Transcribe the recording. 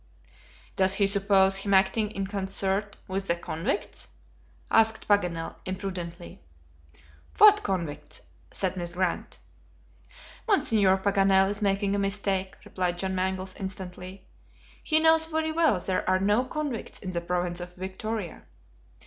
"Does he suppose him acting in concert with the convicts?" asked Paganel, imprudently. "What convicts?" said Miss Grant. "Monsieur Paganel is making a mistake," replied John Mangles, instantly. "He knows very well there are no convicts in the province of Victoria."